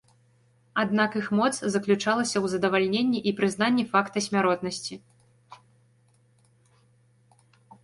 Аднак іх моц заключалася ў задавальненні і прызнанні факта смяротнасці.